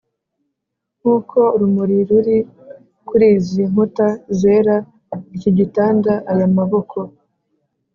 nkuko urumuri ruri kuri izi nkuta zera, iki gitanda, aya maboko.